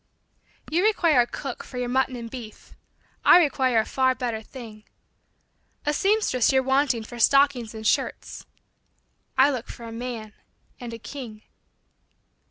You require a cook for your mutton and beef ; I require a far better thing. A seamstress you 're wanting for stockings and shirts ; I look for a man and a king.